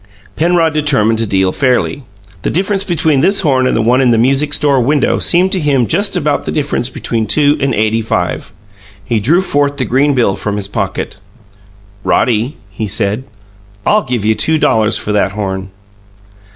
Penrod determined to deal fairly. The difference between this horn and the one in the "music store" window seemed to him just about the difference between two and eighty five. He drew forth the green bill from his pocket. "Roddy," he said, "I'll give you two dollars for that horn."